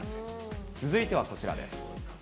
続いてはこちらです。